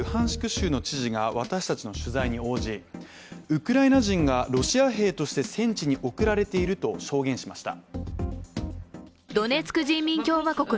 州の知事が私たちの取材に応じウクライナ人がロシア兵として戦地に送られていると証言しました。